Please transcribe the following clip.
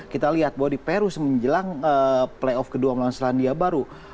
kita lihat bahwa di peru semenjelang playoff kedua melawan selandia baru